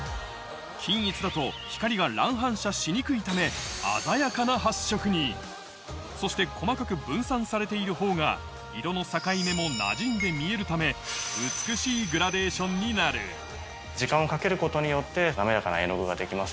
均一だと光が乱反射しにくいためそして細かく分散されているほうが色の境目もなじんで見えるためになる時間をかけることによって。